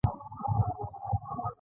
د بانکي ګټې یا سود په اړه بحث کوو